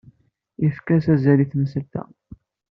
Yefka-as azal i temsalt-a.